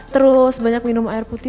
terus banyak minum air putih